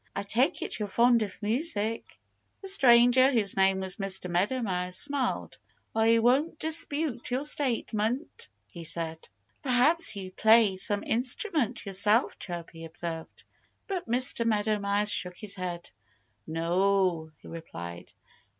"I take it you're fond of music." The stranger, whose name was Mr. Meadow Mouse, smiled. "I won't dispute your statement," he said. "Perhaps you play some instrument yourself," Chirpy observed. But Mr. Meadow Mouse shook his head. "No!" he replied.